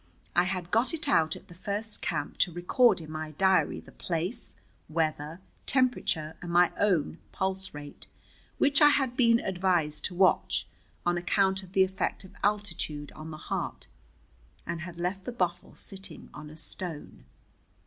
I had got it out at the first camp to record in my diary the place, weather, temperature, and my own pulse rate, which I had been advised to watch, on account of the effect of altitude on the heart, and had left the bottle sitting on a stone.